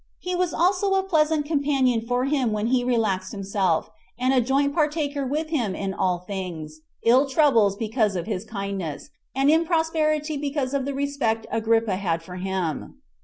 He was also a pleasant companion for him when he relaxed himself, and a joint partaker with him in all things; ill troubles because of his kindness, and in prosperity because of the respect Agrippa had for him.